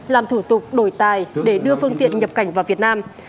làm thủ tục đổi tài để đưa phương tiện nhập cảnh vào việt nam